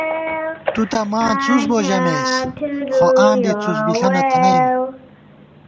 تُو تہ ماں څُس بؤ ژمېس، خو آں بی څُس بِݪہ نہ تھنَئیم